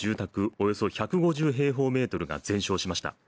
およそ１５０平方メートルが全焼しました。